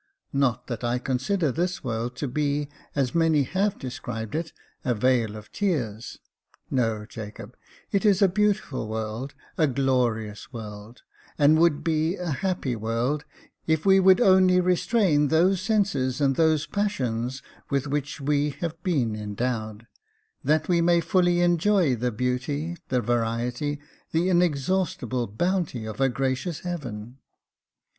Not that I consider this world to be, as many have described it, a ' vale of tears.' No, Jacob ; it is a beautiful world, a glorious world, and would be a happy world, if we would only restrain those senses and those passions with which we have been endowed, that we may fully enjoy the beauty, the variety, the inexhaustible bounty of a gracious Heaven.